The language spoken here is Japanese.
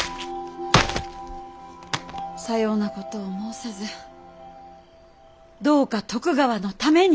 さようなことを申さずどうか徳川のために。